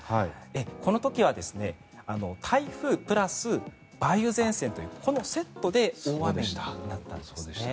この時は台風プラス梅雨前線というこのセットで大雨になりました。